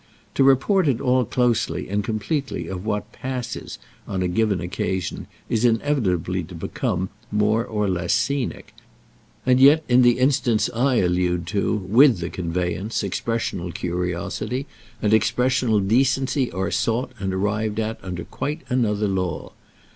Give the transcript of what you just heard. To report at all closely and completely of what "passes" on a given occasion is inevitably to become more or less scenic; and yet in the instance I allude to, with the conveyance, expressional curiosity and expressional decency are sought and arrived at under quite another law.